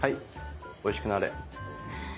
おいしくなれ。